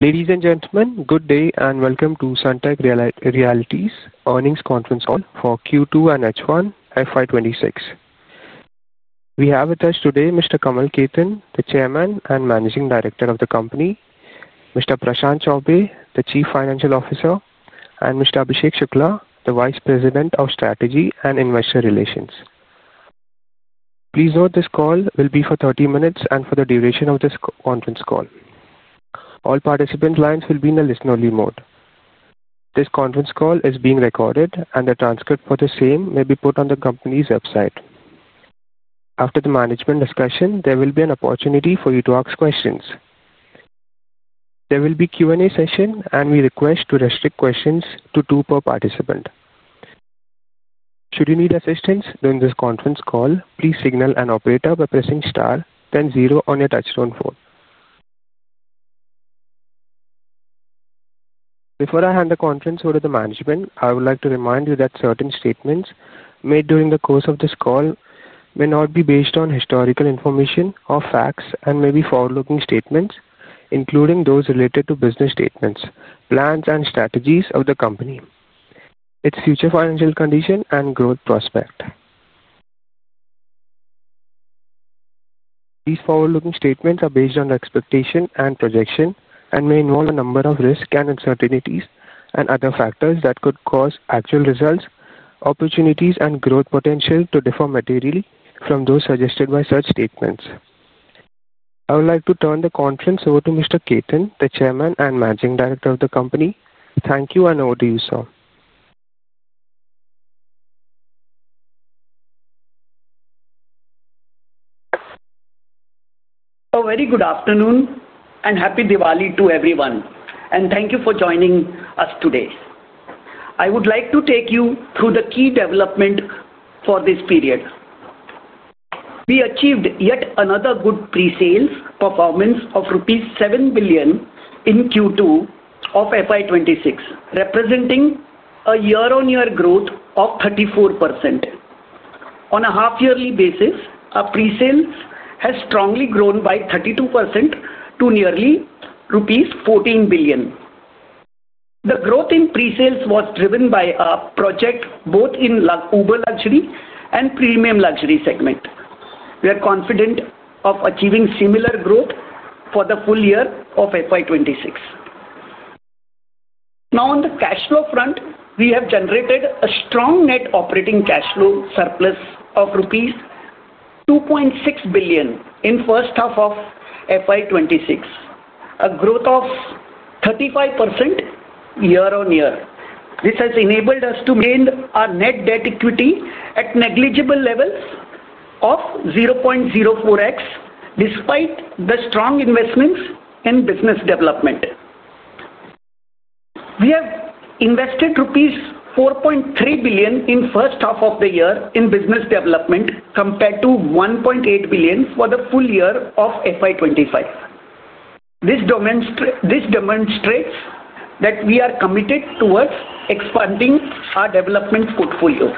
Ladies and gentlemen, good day and welcome to Sunteck Realty Ltd's earnings conference call for Q2 and H1 FY26. We have with us today Mr. Kamal Khetan, the Chairman and Managing Director of the company, Mr. Prashant Chaubey, the Chief Financial Officer, and Mr. Abhishek Shukla, the Vice President of Strategy and Investor Relations. Please note this call will be for 30 minutes and for the duration of this conference call, all participant lines will be in a listener mode. This conference call is being recorded, and the transcript for the same may be put on the company's website. After the management discussion, there will be an opportunity for you to ask questions. There will be a Q&A session, and we request to restrict questions to two per participant. Should you need assistance during this conference call, please signal an operator by pressing star, then zero on your touchtone phone. Before I hand the conference over to the management, I would like to remind you that certain statements made during the course of this call may not be based on historical information or facts and may be forward-looking statements, including those related to business statements, plans, and strategies of the company, its future financial condition, and growth prospects. These forward-looking statements are based on expectations and projections and may involve a number of risks and uncertainties and other factors that could cause actual results, opportunities, and growth potential to differ materially from those suggested by such statements. I would like to turn the conference over to Mr. Khetan, the Chairman and Managing Director of the company. Thank you, and over to you, sir. A very good afternoon and happy Diwali to everyone, and thank you for joining us today. I would like to take you through the key development for this period. We achieved yet another good pre-sales performance of 7 billion rupees in Q2 FY26, representing a YoY growth of 34%. On a half-yearly basis, our pre-sales has strongly grown by 32% to nearly rupees 14 billion. The growth in pre-sales was driven by our project both in uber luxury and premium luxury segments. We are confident of achieving similar growth for the full year of FY26. Now, on the cash flow front, we have generated a strong net operating cash flow surplus of rupees 2.6 billion in the first half of FY26, a growth of 35% YoY. This has enabled us to maintain our net debt-to-equity at negligible levels of 0.04x despite the strong investments in business development. We have invested rupees 4.3 billion in the first half of the year in business development compared to 1.8 billion for the full year of FY25. This demonstrates that we are committed towards expanding our development portfolio.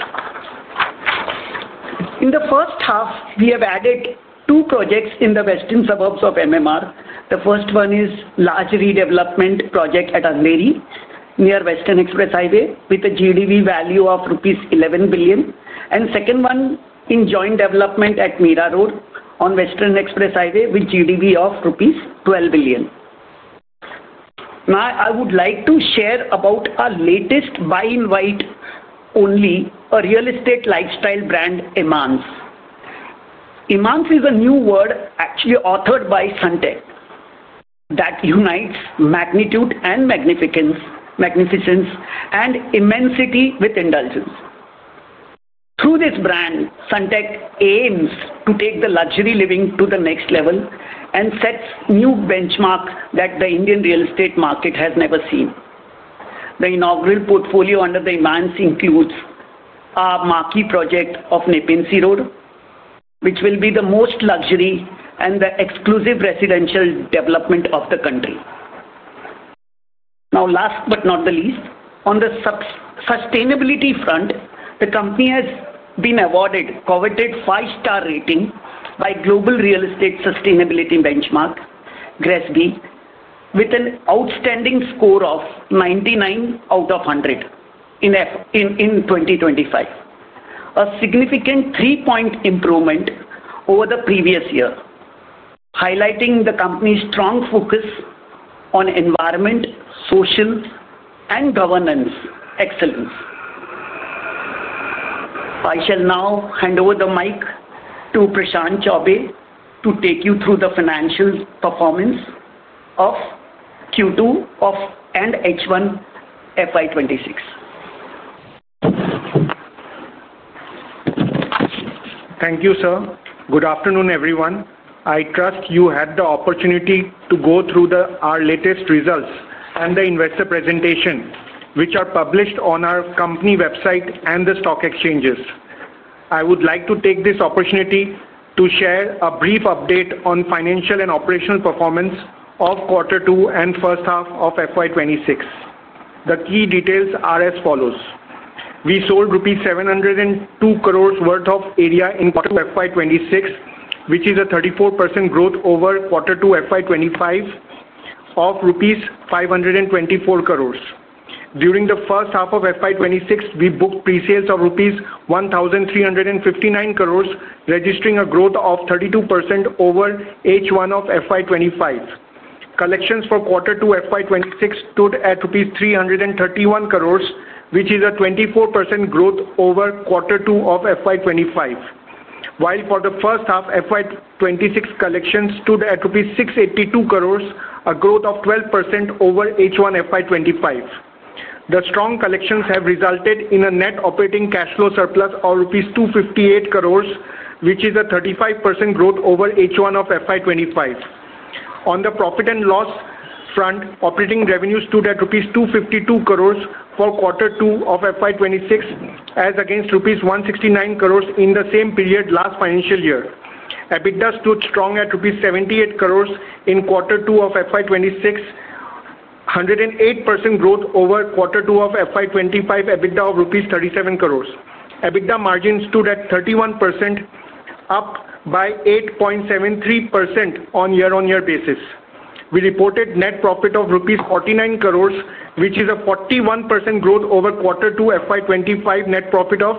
In the first half, we have added two projects in the western suburbs of MMR. The first one is a luxury development project at Andheri, near Western Express Highway, with a GDV value of rupees 11 billion, and the second one in joint development at Meera Road on Western Express Highway, with a GDV of rupees 12 billion. Now, I would like to share about our latest by-invite only, a real estate lifestyle brand, Iman's. Iman's is a new word actually authored by Sunteck that unites magnitude and magnificence, magnificence and immensity with indulgence. Through this brand, Sunteck aims to take the luxury living to the next level and sets new benchmarks that the Indian real estate market has never seen. The inaugural portfolio under the Iman's includes our marquee project of Napean Sea Road, which will be the most luxury and the exclusive residential development of the country. Now, last but not the least, on the sustainability front, the company has been awarded a coveted five-star rating by Global Real Estate Sustainability Benchmark, GRESB, with an outstanding score of 99 out of 100 in 2025, a significant three-point improvement over the previous year, highlighting the company's strong focus on environment, social, and governance excellence. I shall now hand over the mic to Prashant Chaubey to take you through the financial performance of Q2 and H1 FY26. Thank you, sir. Good afternoon, everyone. I trust you had the opportunity to go through our latest results and the investor presentation, which are published on our company website and the stock exchanges. I would like to take this opportunity to share a brief update on financial and operational performance of quarter two and first half of FY26. The key details are as follows. We sold rupees 702 crore worth of area in Q2 FY26, which is a 34% growth over quarter two FY25 of rupees 524 crore. During the first half of FY26, we booked pre-sales of rupees 1,359 crore, registering a growth of 32% over H1 of FY25. Collections for quarter two FY26 stood at INR 331 crore, which is a 24% growth over quarter two of FY25, while for the first half FY26, collections stood at rupees 682 crore, a growth of 12% over H1 FY25. The strong collections have resulted in a net operating cash flow surplus of 258 crore rupees, which is a 35% growth over H1 of FY25. On the profit and loss front, operating revenues stood at rupees 252 crore for quarter two of FY26, as against rupees 169 crore in the same period last financial year. EBITDA stood strong at rupees 78 crore in quarter two of FY26, 108% growth over quarter two of FY25, EBITDA of rupees 37 crore. EBITDA margin stood at 31%, up by 8.73% on a year-on-year basis. We reported net profit of rupees 49 crore, which is a 41% growth over quarter two FY25, net profit of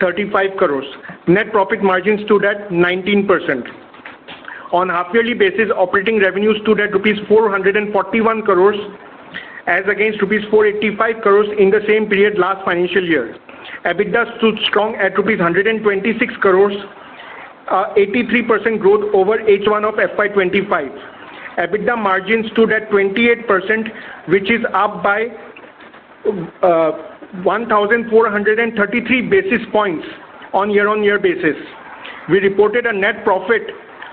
35 crore. Net profit margin stood at 19%. On a half-yearly basis, operating revenues stood at rupees 441 crore, as against rupees 485 crore in the same period last financial year. EBITDA stood strong at rupees 126 crore, an 83% growth over H1 of FY25. EBITDA margin stood at 28%, which is up by 1,433 basis points on a year-on-year basis. We reported a net profit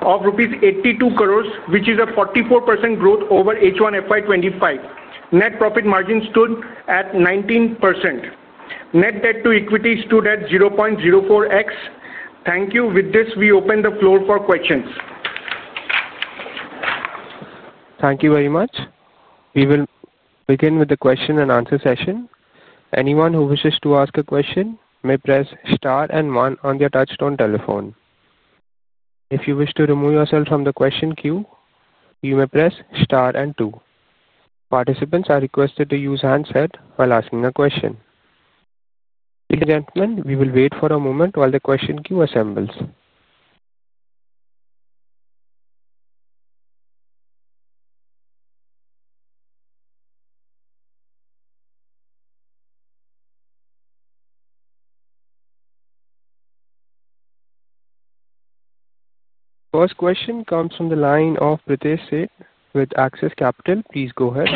of rupees 82 crore, which is a 44% growth over H1 FY25. Net profit margin stood at 19%. Net debt-to-equity stood at 0.04x. Thank you. With this, we open the floor for questions. Thank you very much. We will begin with the question and answer session. Anyone who wishes to ask a question may press star and one on their touchtone telephone. If you wish to remove yourself from the question queue, you may press star and two. Participants are requested to use handsets while asking a question. Ladies and gentlemen, we will wait for a moment while the question queue assembles. First question comes from the line of Prithesh Seth with Access Capital. Please go ahead.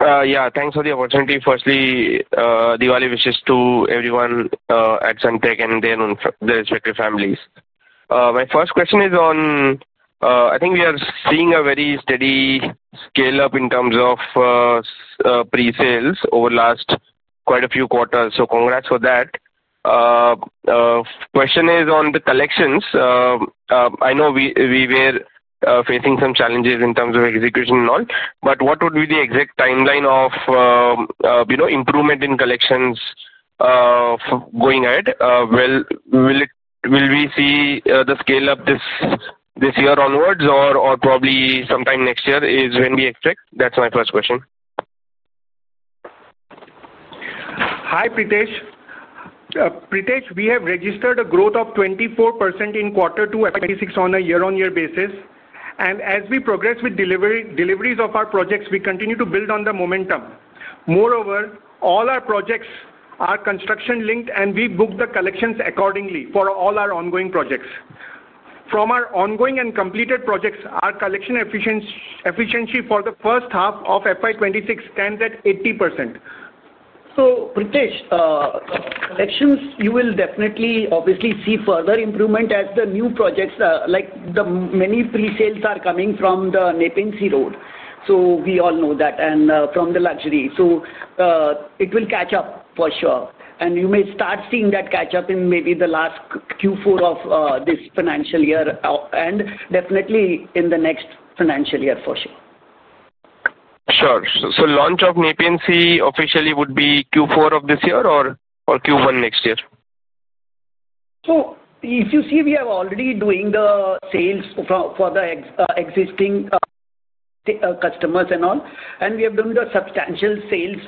Yeah. Thanks for the opportunity. Firstly, Diwali wishes to everyone at Sunteck and their respective families. My first question is on, I think we are seeing a very steady scale-up in terms of pre-sales over the last quite a few quarters, so congrats for that. The question is on the collections. I know we were facing some challenges in terms of execution and all, but what would be the exact timeline of improvement in collections going ahead? Will we see the scale-up this year onwards or probably sometime next year is when we expect? That's my first question. Hi, Prithesh. Prithesh, we have registered a growth of 24% in quarter two FY26 on a year-on-year basis. As we progress with deliveries of our projects, we continue to build on the momentum. Moreover, all our projects are construction-linked, and we book the collections accordingly for all our ongoing projects. From our ongoing and completed projects, our collection efficiency for the first half of FY26 stands at 80%. Prithesh, collections, you will definitely, obviously, see further improvement as the new projects, like the many pre-sales, are coming from the Napean Sea Road. We all know that, and from the luxury. It will catch up for sure. You may start seeing that catch-up in maybe the last Q4 of this financial year and definitely in the next financial year for sure. Sure. So launch of Napean Sea Road officially would be Q4 of this year or Q1 next year? If you see, we are already doing the sales for the existing customers and all, and we have done substantial sales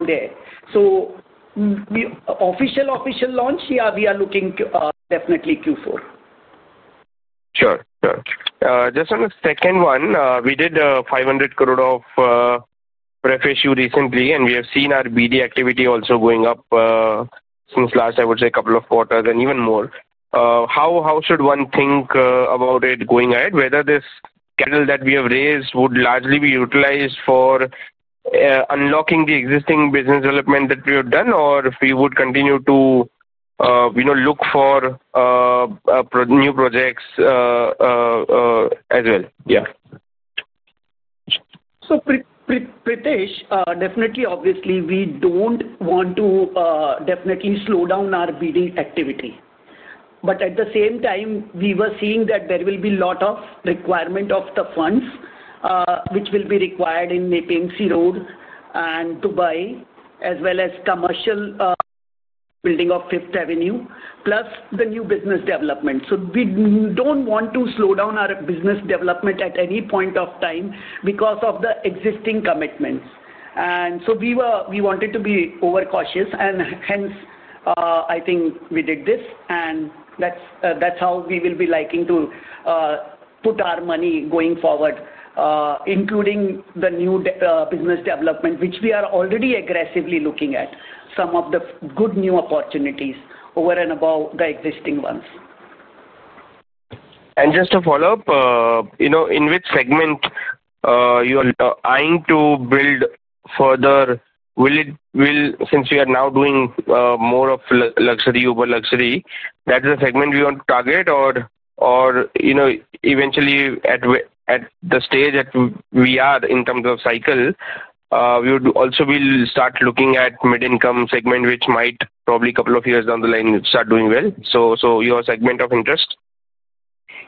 there. The official launch, yeah, we are looking definitely Q4. Sure. Just on the second one, we did an 500 crore ref issue recently, and we have seen our BD activity also going up since last, I would say, a couple of quarters and even more. How should one think about it going ahead, whether this capital that we have raised would largely be utilized for unlocking the existing business development that we have done or if we would continue to, you know, look for new projects as well? Yeah. Prithesh, definitely, obviously, we don't want to definitely slow down our BD activity. At the same time, we were seeing that there will be a lot of requirement of the funds, which will be required in Napean Sea Road and Dubai, as well as commercial building of 5th Avenue, plus the new business development. We don't want to slow down our business development at any point of time because of the existing commitments. We wanted to be over-cautious, and hence, I think we did this. That's how we will be liking to put our money going forward, including the new business development, which we are already aggressively looking at, some of the good new opportunities over and above the existing ones. Just to follow up, in which segment are you eyeing to build further? Will it, since you are now doing more of luxury, Uber luxury, is that the segment you want to target, or eventually at the stage that we are in terms of cycle, would you also start looking at the mid-income segment, which might probably a couple of years down the line start doing well? Your segment of interest?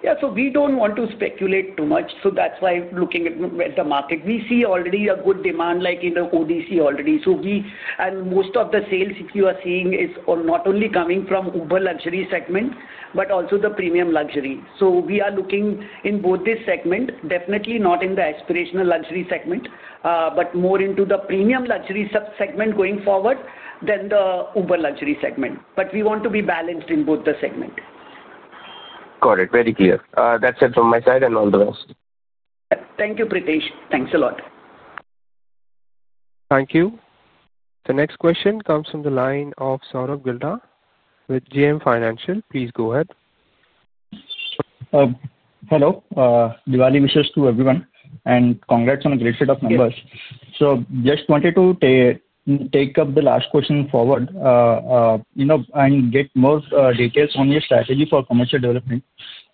Yeah. We don't want to speculate too much. That's why, looking at the market, we see already a good demand, like in the ODC already. We, and most of the sales, if you are seeing, is not only coming from Uber luxury segment but also the premium luxury. We are looking in both this segment, definitely not in the aspirational luxury segment, but more into the premium luxury subsegment going forward than the Uber luxury segment. We want to be balanced in both the segment. Got it. Very clear. That's it from my side and all the rest. Thank you, Prithesh. Thanks a lot. Thank you. The next question comes from the line of Saurabh Gildha with GM Financial. Please go ahead. Hello. Diwali wishes to everyone and congrats on a great set of numbers. I just wanted to take up the last question forward, you know, and get more details on your strategy for commercial development.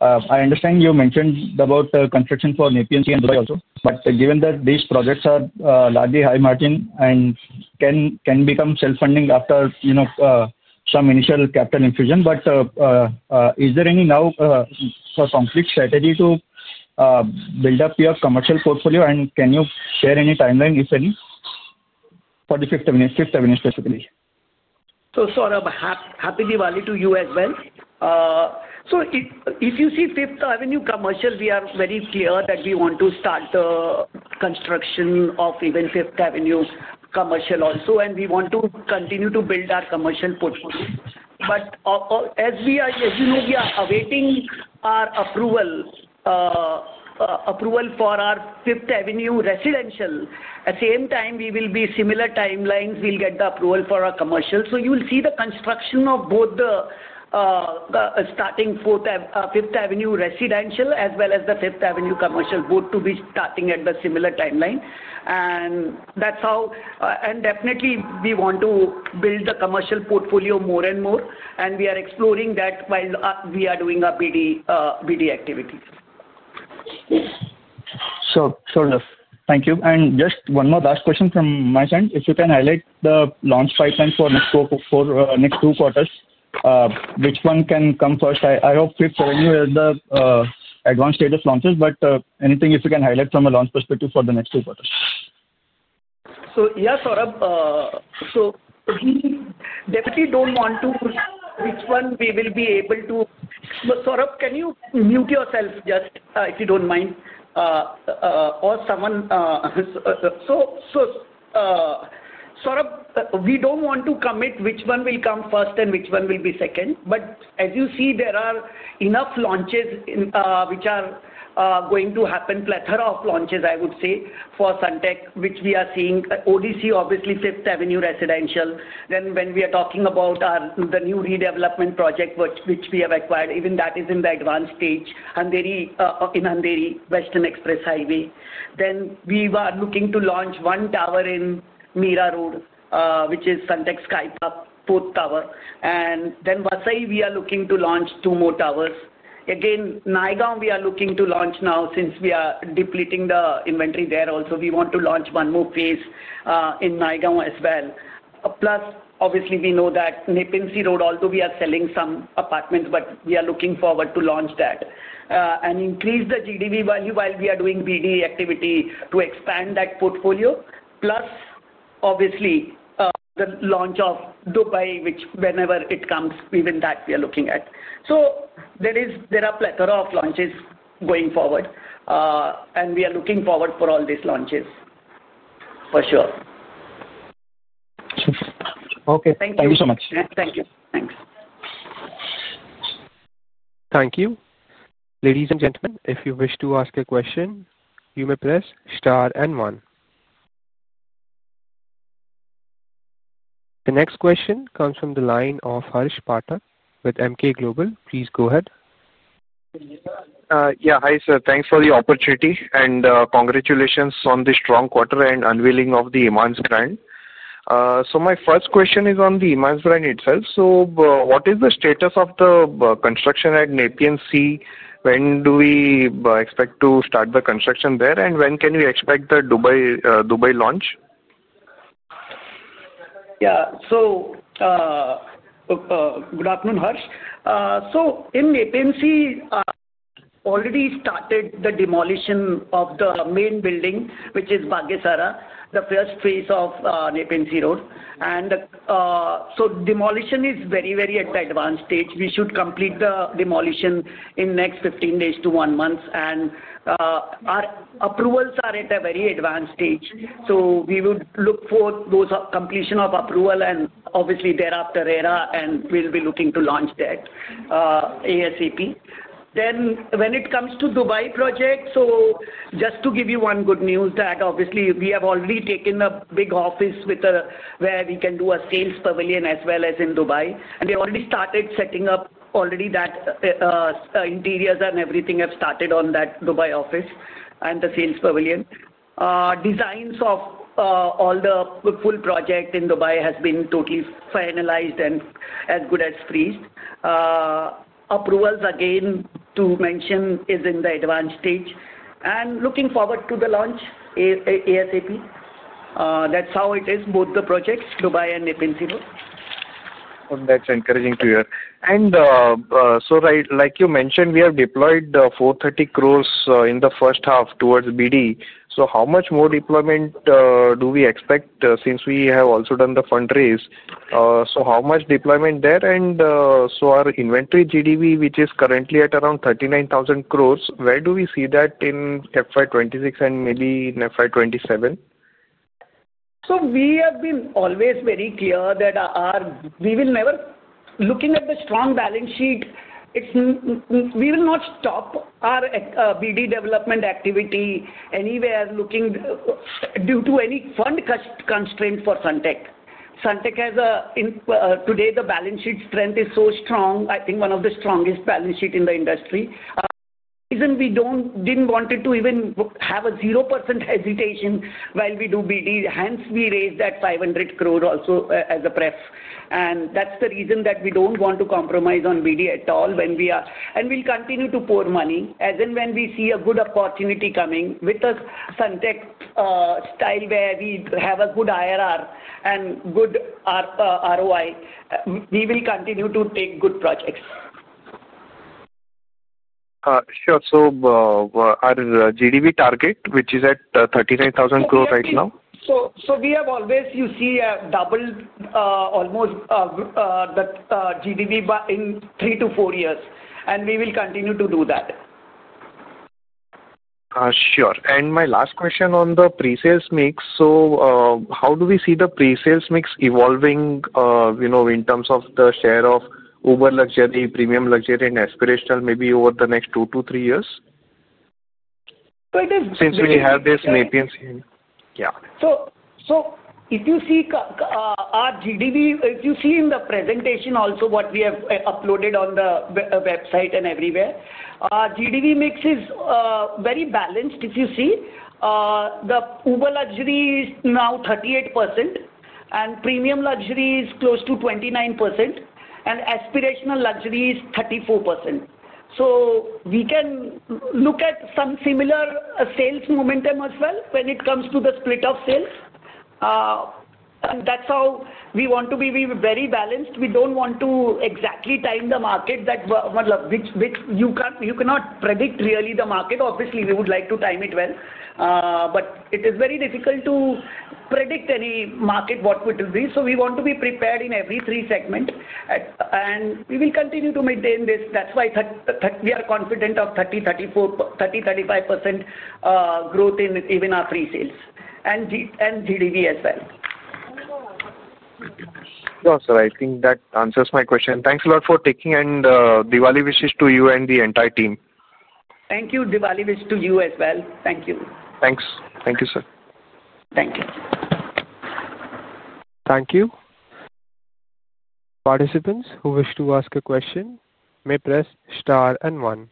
I understand you mentioned about construction for Napean Sea Road and Dubai also. Given that these projects are largely high margin and can become self-funding after, you know, some initial capital infusion, is there any now for concrete strategy to build up your commercial portfolio? Can you share any timeline, if any, for the 5th Avenue specifically? Happy Diwali to you as well, Saurabh. If you see 5th Avenue commercial, we are very clear that we want to start the construction of even 5th Avenue commercial also. We want to continue to build our commercial portfolio. As you know, we are awaiting our approval for our 5th Avenue residential. At the same time, we will be similar timelines. We'll get the approval for our commercial. You will see the construction of both the starting 5th Avenue residential as well as the 5th Avenue commercial, both to be starting at the similar timeline. That's how, and definitely, we want to build the commercial portfolio more and more. We are exploring that while we are doing our BD activity. Thank you. Just one more last question from my side. If you can highlight the launch pipeline for the next two quarters, which one can come first? I hope 5th Avenue is the advanced status launches, but anything if you can highlight from a launch perspective for the next two quarters. Yeah, Saurabh, we definitely don't want to commit which one will come first and which one will be second. As you see, there are enough launches which are going to happen, a plethora of launches, I would say, for Sunteck, which we are seeing. ODC, obviously, 5th Avenue residential. When we are talking about the new redevelopment project, which we have acquired, even that is in the advanced stage, in Andheri, Western Express Highway. We were looking to launch one tower in Meera Road, which is Sunteck Sky Park, fourth tower. In Vasai, we are looking to launch two more towers. Again, in Naigaon, we are looking to launch now since we are depleting the inventory there. Also, we want to launch one more place in Naigaon as well. Plus, obviously, we know that Napean Sea Road, although we are selling some apartments, we are looking forward to launch that and increase the GDV value while we are doing BD activity to expand that portfolio. Plus, obviously, the launch of Dubai, which whenever it comes, even that we are looking at. There are a plethora of launches going forward. We are looking forward for all these launches for sure. Okay. Thank you. Thank you so much. Thank you. Thanks. Thank you. Ladies and gentlemen, if you wish to ask a question, you may press star and one. The next question comes from the line of Harish Patel with MK Global. Please go ahead. Yeah. Hi, sir. Thanks for the opportunity and congratulations on the strong quarter and unveiling of the Iman's brand. My first question is on the Iman's brand itself. What is the status of the construction at Napean Sea Road? When do we expect to start the construction there? When can we expect the Dubai launch? Yeah. Good afternoon, Harish. In Napean Sea Road, we already started the demolition of the main building, which is Bagesara, the first phase of Napean Sea Road. Demolition is at a very, very advanced stage. We should complete the demolition in the next 15 days to one month. Our approvals are at a very advanced stage. We would look for those completion of approval and obviously thereafter ERA, and we'll be looking to launch that ASAP. When it comes to the Dubai project, just to give you one good news, we have already taken the big office where we can do a sales pavilion as well as in Dubai. They already started setting up, already the interiors and everything have started on that Dubai office and the sales pavilion. Designs of all the full project in Dubai have been totally finalized and as good as freezed. Approvals, again to mention, are in the advanced stage. Looking forward to the launch ASAP. That's how it is, both the projects, Dubai and Napean Sea Road. That's encouraging to hear. Like you mentioned, we have deployed 430 crore in the first half towards BD. How much more deployment do we expect since we have also done the fundraise? How much deployment there? Our inventory GDV, which is currently at around 39,000 crore, where do we see that in FY26 and maybe in FY27? We have been always very clear that we will never, looking at the strong balance sheet, we will not stop our BD development activity anywhere due to any fund constraint for Sunteck. Sunteck has, today, the balance sheet strength is so strong. I think one of the strongest balance sheets in the industry. The reason we didn't want to even have a 0% hesitation while we do BD. Hence, we raised that 500 crore also as a pref, and that's the reason that we don't want to compromise on BD at all when we are, and we'll continue to pour money as and when we see a good opportunity coming with a Sunteck style where we have a good IRR and good ROI. We will continue to take good projects. Sure. Our GDV target, which is at 39,000 crore right now? We have always, you see, doubled almost the GDV in three to four years, and we will continue to do that. Sure. My last question on the pre-sales mix. How do we see the pre-sales mix evolving in terms of the share of Uber luxury, premium luxury, and aspirational maybe over the next two to three years? It is. Since we have this Napean Sea Road? Yeah. If you see our GDV, if you see in the presentation also what we have uploaded on the website and everywhere, our GDV mix is very balanced. If you see, the Uber luxury is now 38%, premium luxury is close to 29%, and aspirational luxury is 34%. We can look at some similar sales momentum as well when it comes to the split of sales. That's how we want to be. We're very balanced. We don't want to exactly time the market, which you cannot predict really, the market. Obviously, we would like to time it well. It is very difficult to predict any market, what it will be. We want to be prepared in every three segments, and we will continue to maintain this. That's why we are confident of 30%, 30%, 30%, 35% growth in even our pre-sales and GDV as well. No, sir, I think that answers my question. Thanks a lot for taking, and Diwali wishes to you and the entire team. Thank you. Diwali wish to you as well. Thank you. Thanks. Thank you, sir. Thank you. Thank you. Participants who wish to ask a question may press star and one.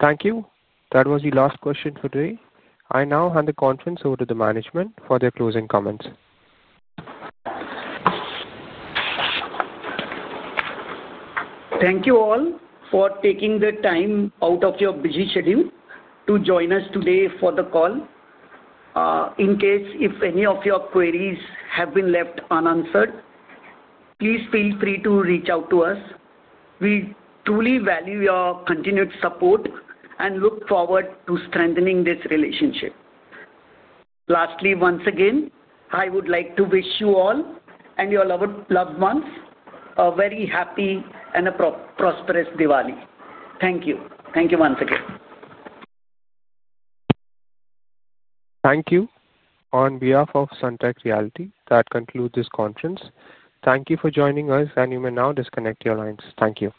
Thank you. That was the last question for today. I now hand the conference over to the management for their closing comments. Thank you all for taking the time out of your busy schedule to join us today for the call. In case any of your queries have been left unanswered, please feel free to reach out to us. We truly value your continued support and look forward to strengthening this relationship. Lastly, once again, I would like to wish you all and your loved ones a very happy and a prosperous Diwali. Thank you. Thank you once again. Thank you. On behalf of Sunteck Realty Ltd, that concludes this conference. Thank you for joining us, and you may now disconnect your lines. Thank you.